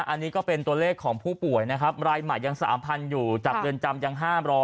อันนี้ก็เป็นตัวเลขของผู้ป่วยนะครับรายใหม่ยัง๓๐๐อยู่จากเรือนจำยัง๕๐๐